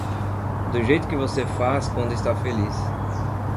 Do jeito que você faz quando está feliz.